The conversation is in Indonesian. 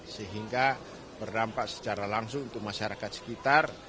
sehingga berdampak secara langsung untuk masyarakat sekitar